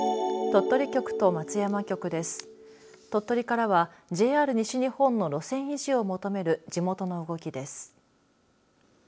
鳥取からは、ＪＲ西日本の路線維持を求める地元の動きです。